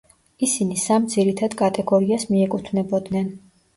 ისინი სამ ძირითად კატეგორიას მიეკუთვნებოდნენ.